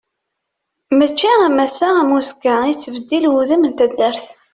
Mačči am ass-a am uzekka i yettbeddil wudem n taddart.